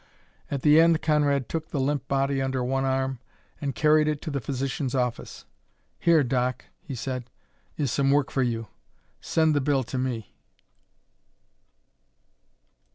At the end Conrad took the limp body under one arm and carried it to the physician's office. "Here, Doc," he said, "is some work for you. Send the bill to me."